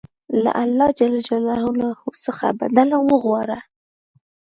له الله ج څخه بدله وغواړه.